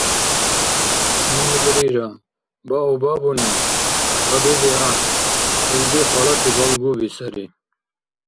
Нуни бурира, баобабуни кьадуби ахӀен, илди халати галгуби сари